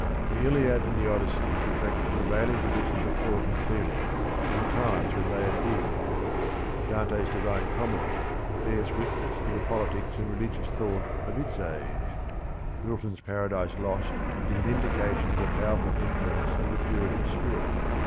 The Iliad and the Odyssey reflect the prevailing conditions of thought and feeling in the times when they appeared. Dante's Divine Comedy bears witness to the politics and religious thought of its age. Milton's Paradise Lost is an indication of the powerful influence of the Puritan spirit.